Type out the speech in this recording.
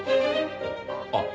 あっ。